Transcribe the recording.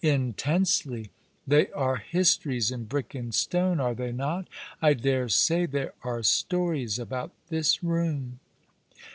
"Intensely. They are histories in brick and stone, are they not ? I dare say there are stories about this room."